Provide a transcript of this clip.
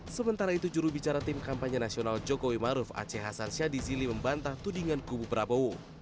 sementara itu jurubicara tim kampanye nasional jokowi maruf aceh hasan syadizili membantah tudingan kubu prabowo